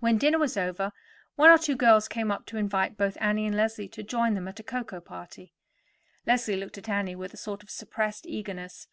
When dinner was over, one or two girls came up to invite both Annie and Leslie to join them at a cocoa party. Leslie looked at Annie with a sort of suppressed eagerness.